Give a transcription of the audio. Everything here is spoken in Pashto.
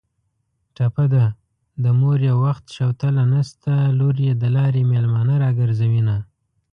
ټپه ده: د مور یې وخت شوتله نشته لور یې د لارې مېلمانه راګرځوینه